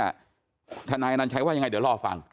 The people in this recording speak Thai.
เพราะทนายอันนันชายชายเดชาบอกว่าจะเป็นการเอาคืนยังไง